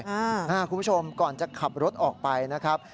คุณผู้ชมก่อนจะขับรถออกไปนะครับ